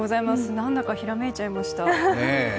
なんだかひらめいちゃいました。